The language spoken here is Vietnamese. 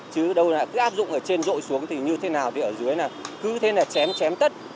chứ đâu là cứ áp dụng ở trên rội xuống thì như thế nào thì ở dưới là cứ thế là chém chém tất